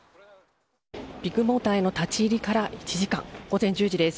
ビッグモーターへの立ち入りから１時間、午前１０時です。